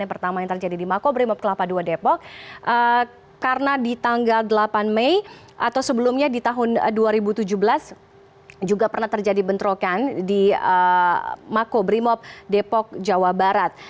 yang pertama yang terjadi di makobrimob kelapa dua depok karena di tanggal delapan mei atau sebelumnya di tahun dua ribu tujuh belas juga pernah terjadi bentrokan di mako brimob depok jawa barat